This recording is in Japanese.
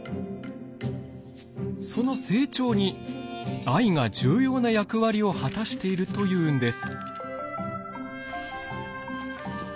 その成長に藍が重要な役割を果たしているというんです。